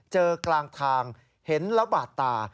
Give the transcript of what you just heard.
เจอกลางทางเห็นแล้วบาดตา